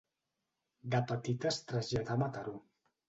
De petita es traslladà a Mataró.